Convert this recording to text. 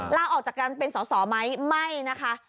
ลาออกจากการเป็นสอสอไหมไม่นะคะ